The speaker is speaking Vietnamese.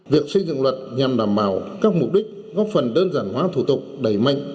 việc xây dựng luật nhằm đảm bảo các mục đích góp phần đơn giản hóa thủ tục đẩy mạnh